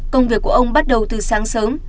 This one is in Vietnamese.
công việc của ông bắt đầu từ sáng sớm